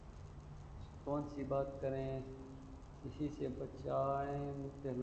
کون سی بات کریں کس سے بچائیں پہلو